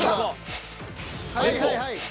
はいはいはい。